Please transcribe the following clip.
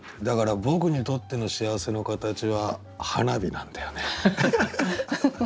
だから僕にとってのしあわせのかたちははなびなんだよね。